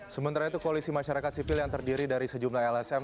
sementara itu koalisi masyarakat sipil yang terdiri dari sejumlah lsm